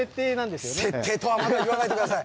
設定とはまだ言わないでください。